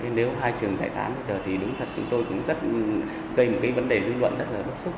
nếu hai trường giải thán bây giờ thì đúng thật chúng tôi cũng gây một vấn đề dư luận rất bức xúc